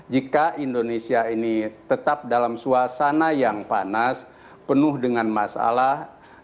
jika indonesia ini tetap dalam suasana yang panas penuh dengan masalah